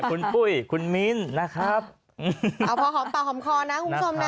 คุณปุ้ยคุณมิ้นนะครับเอาพอหอมปากหอมคอนะคุณผู้ชมนะ